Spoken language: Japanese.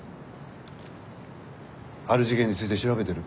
ある事件について調べてる。